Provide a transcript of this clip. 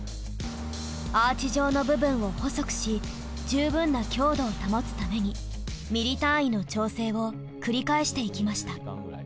アーチ状の部分を細くし十分な強度を保つためにミリ単位の調整を繰り返していきました。